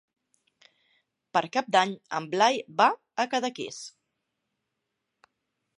Per Cap d'Any en Blai va a Cadaqués.